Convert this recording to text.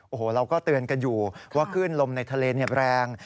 โอ้โหเราก็เตือนกันอยู่ว่าคลื่นลมในทะเลแรง